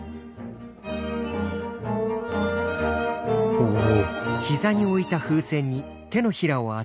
おお。